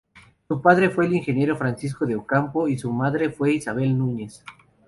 Su padre fue el ingeniero Francisco de Ocampo y su madre fue Isabel Núñez.